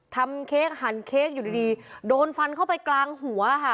เค้กหันเค้กอยู่ดีโดนฟันเข้าไปกลางหัวค่ะ